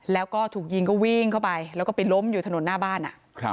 แล้วก็ถูกยิงก็วิ่งเข้าไปแล้วก็ไปล้มอยู่ถนนหน้าบ้าน